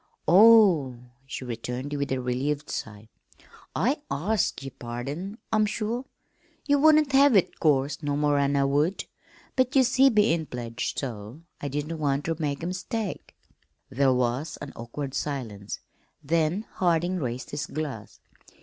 "Oh," she returned with a relieved sigh. "I ask yer pardon, I'm sure. You wouldn't have it, 'course, no more'n I would. But, ye see, bein' pledged so, I didn't want ter make a mistake." There was an awkward silence, then Harding raised his glass.